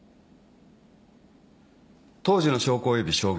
当時の証拠および証言